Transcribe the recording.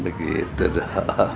bangkit jodohnya mp